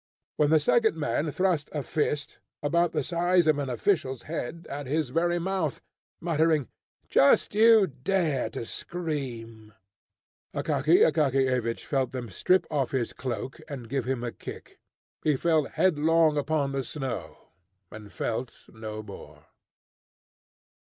when the second man thrust a fist, about the size of an official's head, at his very mouth, muttering, "Just you dare to scream!" Akaky Akakiyevich felt them strip off his cloak, and give him a kick. He fell headlong upon the snow, and felt no more.